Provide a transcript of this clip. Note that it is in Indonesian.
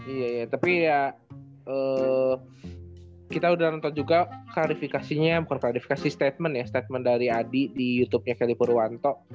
iya ya tapi ya kita udah nonton juga klarifikasinya bukan klarifikasi statement ya statement dari adi di youtubenya ferry purwanto